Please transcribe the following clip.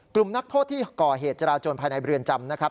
กลุ่มนักโทษที่ก่อเหตุจราจนภายในเรือนจำ